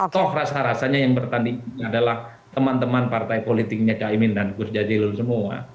toh rasa rasanya yang bertanding adalah teman teman partai politiknya caimin dan gus jajilul semua